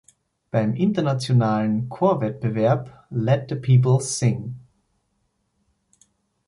Beim internationalen Chorwettbewerb "Let the Peoples Sing.